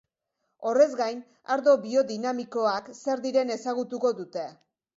Horrez gain, ardo biodinamikoak zer diren ezagutuko dute.